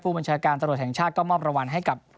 ผู้ประชาการตะโรธแห่งชาติก็มอบรวมให้กับ